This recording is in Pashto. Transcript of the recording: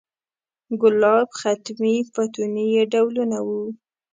ګلاب، ختمي، فتوني یې ډولونه و.